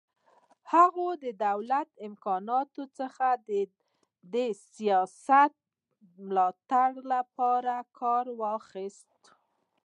هغه د دولتي امکاناتو څخه د سیاسي ملاتړ لپاره کار واخیست.